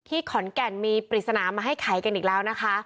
ขอนแก่นมีปริศนามาให้ไขกันอีกแล้วนะคะ